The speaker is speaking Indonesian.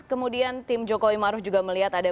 kemudian tim joko imaruh juga melihat ada